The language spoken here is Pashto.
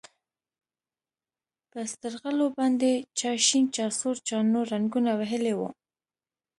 په سترغلو باندې چا شين چا سور چا نور رنګونه وهلي وو.